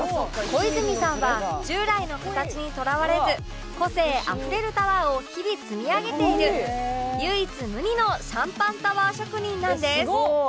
小泉さんは従来の形にとらわれず個性あふれるタワーを日々積み上げている唯一無二のシャンパンタワー職人なんです